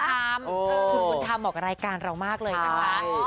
คุณบุญธรรมบอกกับรายการเรามากเลยนะคะ